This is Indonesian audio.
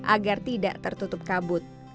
agar tidak tertutup kabut